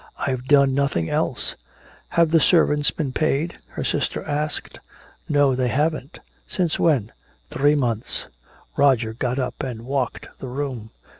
I've done nothing else!" "Have the servants been paid?" her sister asked. "No, they haven't " "Since when?" "Three months!" Roger got up and walked the room.